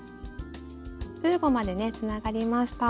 １５までねつながりました。